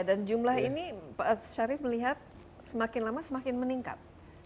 dan jumlah ini pak asyarif melihat semakin lama semakin meningkat